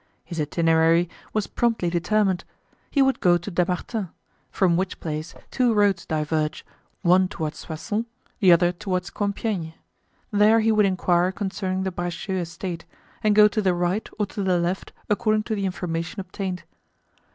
His itinerary was promptly determined: he would go to Dammartin, from which place two roads diverge, one toward Soissons, the other toward Compiegne; there he would inquire concerning the Bracieux estate and go to the right or to the left according to the information obtained.